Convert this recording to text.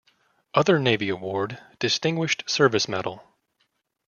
Other Navy award: Distinguished Service Medal.